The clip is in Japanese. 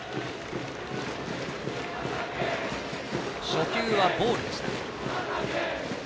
初球はボールでした。